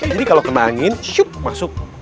jadi kalau kena angin syup masuk